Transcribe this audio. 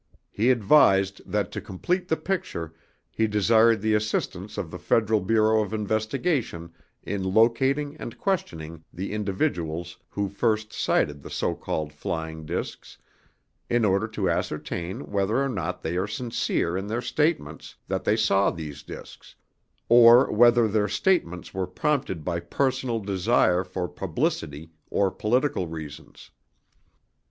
He advised that to complete the picture he desired the assistance of the Federal Bureau of Investigation in locating and questioning the individuals who first sighted the so called flying disks in order to ascertain whether or not they are sincere in their statements that they saw these disks, or whether their statements were prompted by personal desire for publicity or political reasons.